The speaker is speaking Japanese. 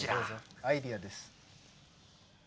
「アイデア」です。